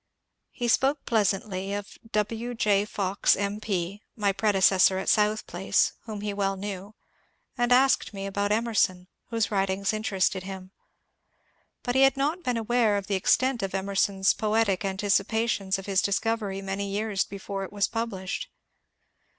He spoke pleasantly of W. J. Fox M. P., my prede cessor at South Place (whom he well knew), and asked me about Emerson, whose writings interested him. But he had not been aware of the extent of Emerson's poetic anticipa tions of his discovery many years before it was published.